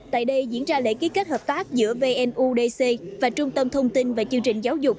tại đây diễn ra lễ ký kết hợp tác giữa vnudc và trung tâm thông tin và chương trình giáo dục